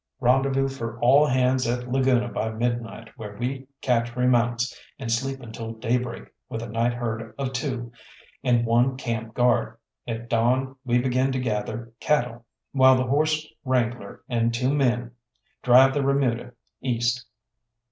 "Rendezvous for all hands at Laguna by midnight, where we catch remounts, and sleep until daybreak, with a night herd of two, and one camp guard. At dawn we begin to gather cattle, while the horse wrangler and two men drive the remuda east.